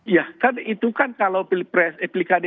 ya kan itu kan kalau pilkada